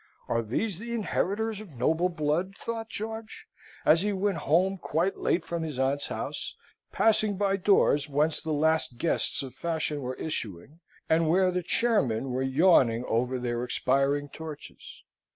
"Are these the inheritors of noble blood?" thought George, as he went home quite late from his aunt's house, passing by doors whence the last guests of fashion were issuing, and where the chairmen were yawning over their expiring torches.